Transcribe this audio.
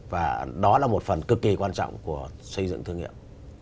và đó là một phần cực kỳ quan trọng của xây dựng thương hiệu